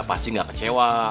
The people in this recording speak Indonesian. pasti gak kecewa